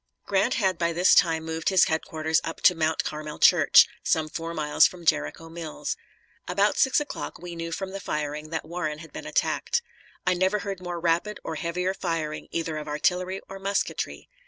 Grant had by this time moved his headquarters up to Mount Carmel Church, some four miles from Jericho Mills. About six o'clock we knew from the firing that Warren had been attacked. I never heard more rapid or heavier firing, either of artillery or musketry.